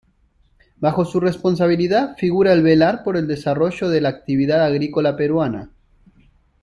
Bajo su responsabilidad figura el velar por el desarrollo de la actividad agrícola peruana.